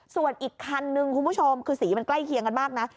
ส่วนอีกคันนึงคุณผู้ชมคือสีมันใกล้เคียงกันมากนะ